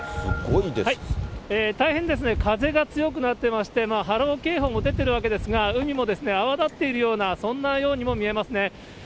大変ですね、風が強くなってまして、波浪警報も出ているわけですが、海も泡立っているようなそんなようにも見えますね。